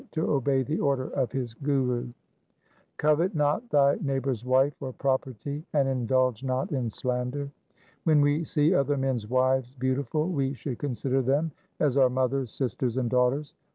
To obey the order of his Guru. 2 Covet not thy neighbour's wife or property, and indulge not in slander :— When we see other men's wives beautiful, we should consider them as our mothers, sisters, and daughters.